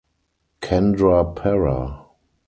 Kendrapara.